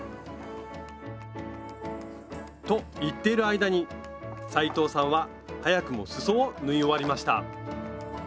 と言っている間に斉藤さんは早くもすそを縫い終わりました